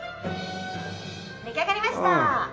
出来上がりました！